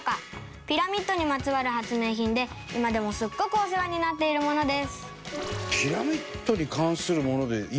ピラミッドにまつわる発明品で今でも、すっごくお世話になっているものです。